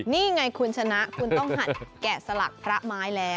นี่ไงคุณชนะคุณต้องหัดแกะสลักพระไม้แล้ว